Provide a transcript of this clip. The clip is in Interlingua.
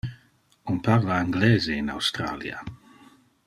On parla anglese in Australia.